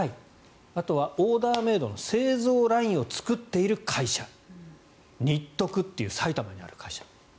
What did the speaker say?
あとはオーダーメイドの製造ラインを作っている会社ＮＩＴＴＯＫＵという埼玉にある会社。